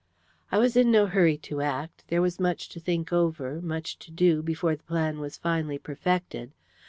"I was in no hurry to act. There was much to think over, much to do, before the plan was finally perfected.